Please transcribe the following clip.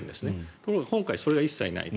ところが今回はそれが一切ない。